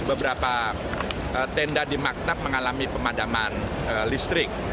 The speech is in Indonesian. beberapa tenda di maktab mengalami pemadaman listrik